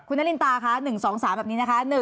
คุณนารินตาคะ๑๒๓แบบนี้นะคะ